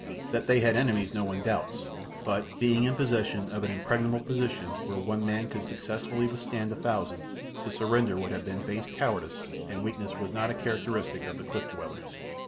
That they had enemies no one doubts, but, being in possession of an impregnable position where one man could successfully withstand a thousand, to surrender would have been base cowardice, and weakness was not a characteristic of the cliff dwellers.